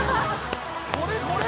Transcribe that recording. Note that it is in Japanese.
これこれ！